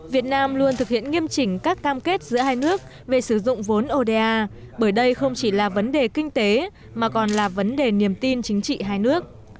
việt nam luôn thực hiện nghiêm chỉnh các cam kết giữa hai nước về sử dụng vốn oda bởi đây không chỉ là vấn đề kinh tế mà còn là vấn đề niềm tin chính trị hai nước